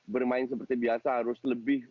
bermain seperti biasa harus lebih